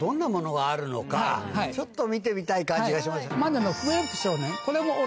ちょっと見てみたい感じがします。